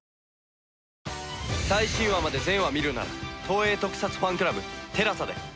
最新話まで全話見るなら東映特撮ファンクラブＴＥＬＡＳＡで。